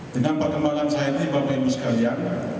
dengan perkembangan saya ini bapak ibu sekalian